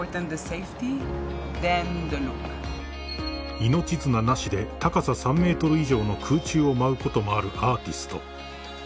［命綱なしで高さ３ｍ以上の空中を舞うこともあるアーティスト］